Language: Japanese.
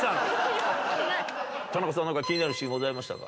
田中さん何か気になるシーンございましたか？